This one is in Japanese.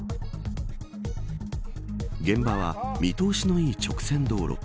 現場は見通しのいい直線道路。